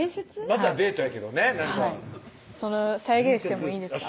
まずはデートやけどねなんかそれ再現してもいいですか？